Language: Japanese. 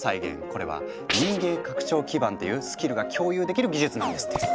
これは「人間拡張基盤」っていうスキルが共有できる技術なんですって。